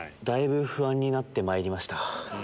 だいぶ不安になってまいりました。